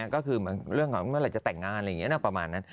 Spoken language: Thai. ก็คือเรื่องของเมื่อไหร่จะแต่งงานอะไรอย่างนี้นะประมาณนั้น